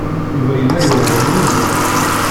Yuba yella yuɣ Lwiza.